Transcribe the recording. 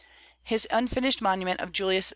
His unfinished monument of Julius II.